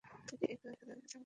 এটি এক সাধারণ সামাজিক সমস্যা।